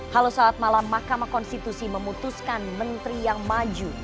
halo saat malam mahkamah konstitusi memutuskan menteri yang maju